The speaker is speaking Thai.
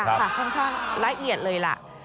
ค่อนข้างละเอียดเลยล่ะ